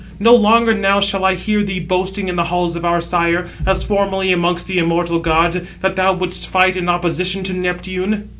No longer now shall I hear thee boasting in the halls of our sire, as formerly amongst the immortal gods, that thou wouldst fight in opposition to Neptune."